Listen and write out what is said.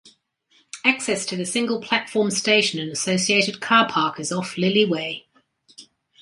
Access to the single-platform station and associated car park is off Lily Way.